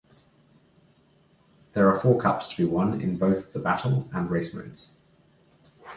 There are four cups to be won in both the Battle and Race modes.